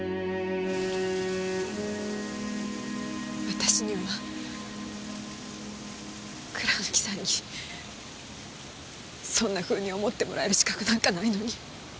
私には倉貫さんにそんなふうに思ってもらえる資格なんかないのに。